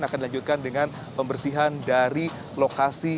akan dilanjutkan dengan pembersihan dari lokasi